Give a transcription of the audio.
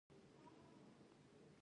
افغانستان زما وطن دی.